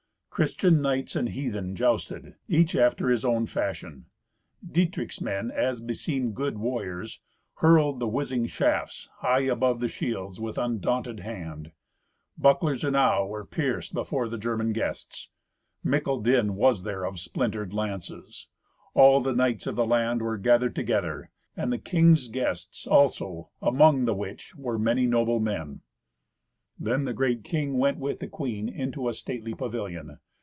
Christian knights and heathen jousted, each after his own fashion. Dietrich's men, as beseemed good warriors, hurled the whizzing shafts high above the shields, with undaunted hand. Bucklers enow were pierced before the German guests. Mickle din was there of splintered lances. All the knights of the land were gathered together, and the king's guests also, among the which were many noble men. Then the great king went with the queen into a stately pavilion.